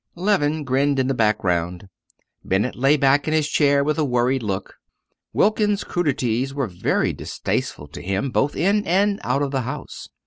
Leven grinned in the background. Bennett lay back in his chair with a worried look. Wilkins's crudities were very distasteful to him both in and out of the House.